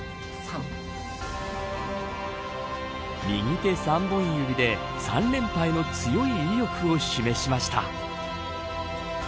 右手３本指で３連覇への強い意欲を示しました。